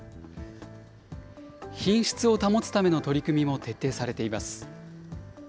品質を保つための取り組みも徹底されています。